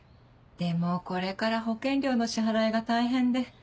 でもこれから保険料の支払いが大変で。